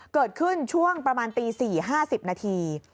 เกิดขึ้นช่วงประมาณตี๔๕๐นาที